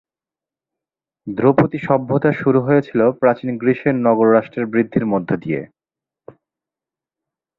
ধ্রুপদী সভ্যতা শুরু হয়েছিল প্রাচীন গ্রীসের নগর রাষ্ট্রের বৃদ্ধির মধ্য দিয়ে।